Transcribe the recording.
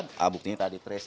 sudah buktinya tadi trace